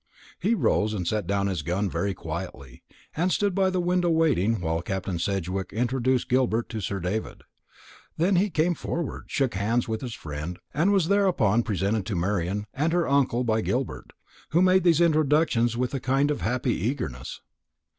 He rose, and set down his gun very quietly, and stood by the window waiting while Captain Sedgewick introduced Gilbert to Sir David. Then he came forward, shook hands with his friend, and was thereupon presented to Marian and her uncle by Gilbert, who made these introductions with a kind of happy eagerness.